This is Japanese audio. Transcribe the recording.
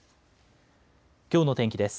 きょうの天気です。